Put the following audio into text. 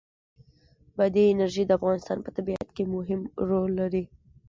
بادي انرژي د افغانستان په طبیعت کې مهم رول لري.